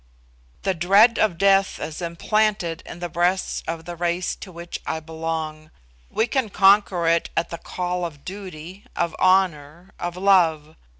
"The dread of death is implanted in the breasts of the race to which I belong. We can conquer it at the call of duty, of honour, of love.